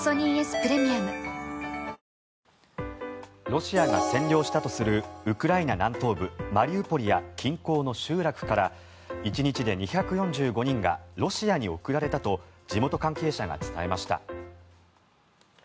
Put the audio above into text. ロシアが占領したとするウクライナ南東部マリウポリや近郊の集落から１日で２４５人がロシアに送られたと地元関係者が伝えました。